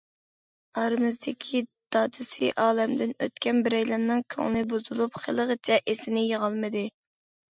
ئارىمىزدىكى دادىسى ئالەمدىن ئۆتكەن بىرەيلەننىڭ كۆڭلى بۇزۇلۇپ، خېلىغىچە ئېسىنى يىغالمىدى.